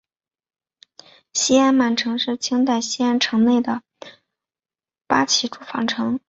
西安满城是清代西安城内的八旗驻防城。